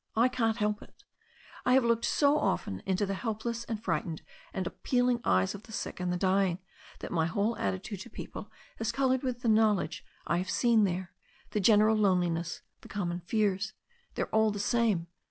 I can't help it I have looked so often into the helpless and frightened and appealing eyes of the sick and the dying that my whole at titude to people is coloured with the knowledge I have seen there — ^the general loneliness, the common fears, they are all the same.